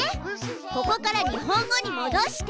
ここから日本語にもどして！